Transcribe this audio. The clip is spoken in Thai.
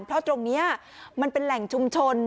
เพราะตรงนี้มันเป็นแหล่งชุมชน